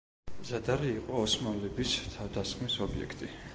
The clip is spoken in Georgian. ზადარი იყო ოსმალების თავდასხმის ობიექტი.